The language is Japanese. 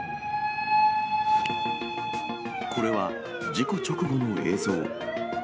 これは事故直後の映像。